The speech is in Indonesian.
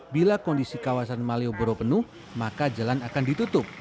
bila kondisi kawasan malioboro penuh maka jalan akan ditutup